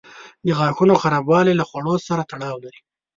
د غاښونو خرابوالی له خواړو سره تړاو لري.